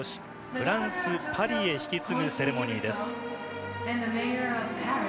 フランス・パリへ引き継ぐセレモニーです。